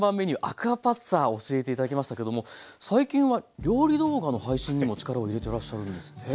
アクアパッツァ教えて頂きましたけども最近は料理動画の配信にも力を入れてらっしゃるんですって？